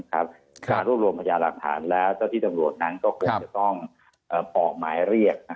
การรวบรวมประหย่ารักภัณฑ์แล้วเจ้าที่ตำรวจนั้นก็จะต้องเปาะหมายเรียก